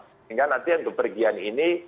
sehingga nanti yang kepergian ini